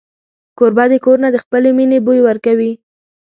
کوربه د کور نه د خپلې مینې بوی ورکوي.